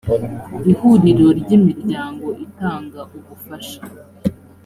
ihuriro ry imiryango itanga ubufasha